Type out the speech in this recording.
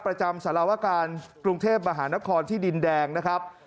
ประจำสารวการกรุงเทพมหานครที่ดินแดงนะครับ